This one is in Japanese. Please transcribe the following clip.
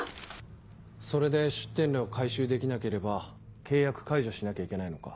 それで出店料を回収できなければ契約解除しなきゃいけないのか。